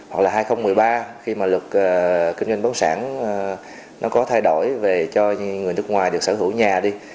hoặc là hai nghìn một mươi ba khi mà luật kinh doanh bất sản nó có thay đổi về cho người nước ngoài được sở hữu nhà đi